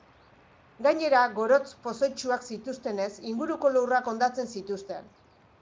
Gainera, gorotz pozoitsuak zituztenez inguruko lurrak hondatzen zituzten.